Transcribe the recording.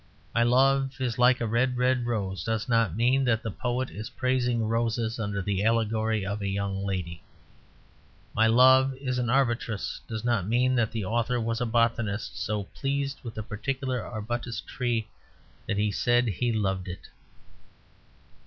"My love is like a red, red rose" does not mean that the poet is praising roses under the allegory of a young lady. "My love is an arbutus" does not mean that the author was a botanist so pleased with a particular arbutus tree that he said he loved it.